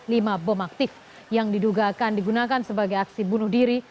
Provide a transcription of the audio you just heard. lima bom aktif yang diduga akan digunakan sebagai aksi bunuh diri